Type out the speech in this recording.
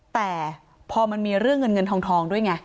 แต่พอมันมีเรื่องเงินเงินทองด้วยไง